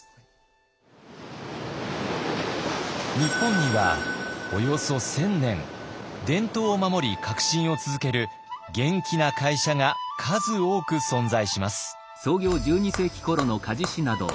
日本にはおよそ１，０００年伝統を守り革新を続ける元気な会社が数多く存在します。